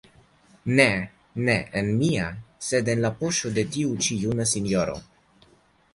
Ne, ne en mia, sed en la poŝo de tiu ĉi juna sinjoro.